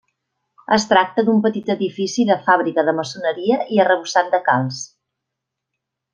Es tracta d'un petit edifici de fàbrica de maçoneria i arrebossat de calç.